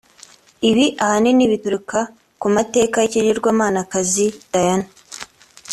Ibi ahanini bituruka ku mateka y’ikigirwamanakazi Diana